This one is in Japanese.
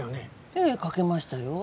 ええかけましたよ。